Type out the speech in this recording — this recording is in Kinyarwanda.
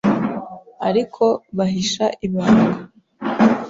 Ariko bahisha ibanga